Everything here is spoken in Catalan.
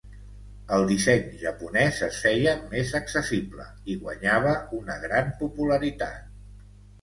El disseny Japonès es feia més accessible i guanyava una gran popularitat.